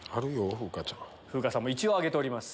風花さんも一応挙げております。